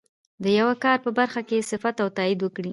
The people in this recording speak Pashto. د یوه کار په برخه کې صفت او تایید وکړي.